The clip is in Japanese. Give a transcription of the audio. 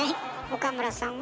岡村さんは？